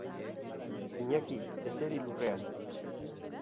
Iñaki, eseri lurrean.